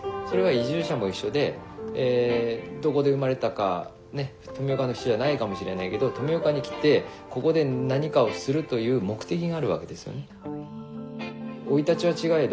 それは移住者も一緒でどこで生まれたか富岡の人じゃないかもしれないけど富岡に来てここで何かをするという目的があるわけですよね。